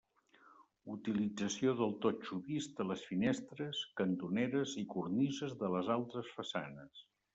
Utilització del totxo vist a les finestres, cantoneres i cornises de les altres façanes.